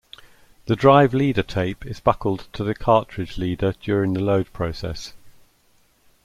The drive leader tape is buckled to the cartridge leader during the load process.